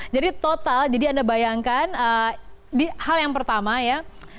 jadi total jadi anda bayangkan hal yang pertama ya